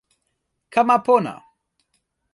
kama pona!